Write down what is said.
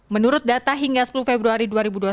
menurut data hingga sepuluh februari dua ribu dua puluh